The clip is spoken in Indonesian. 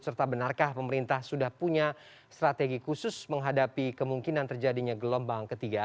serta benarkah pemerintah sudah punya strategi khusus menghadapi kemungkinan terjadinya gelombang ketiga